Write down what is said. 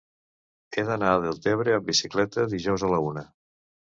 He d'anar a Deltebre amb bicicleta dijous a la una.